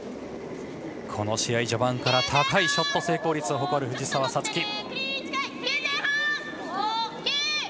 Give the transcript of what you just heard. この試合序盤から高いショット成功率を誇る藤澤五月。